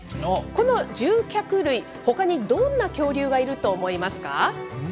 この獣脚類、ほかにどんな恐竜がいると思いますか。